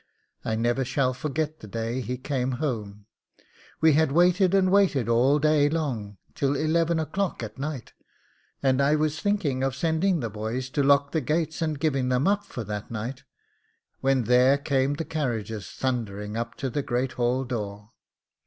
I never shall forget the day he came home; we had waited and waited all day long till eleven o'clock at night, and I was thinking of sending the boy to lock the gates, and giving them up for that night, when there came the carriages thundering up to the great hall door.